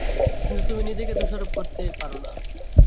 কিন্তু তুমি নিজেকে দোষারোপ করতে পারো না।